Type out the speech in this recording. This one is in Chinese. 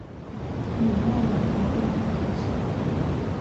吕莫人口变化图示